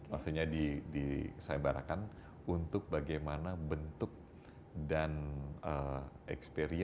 maksudnya disaimbarakan untuk bagaimana bentuk dan bentuk kesehatan kita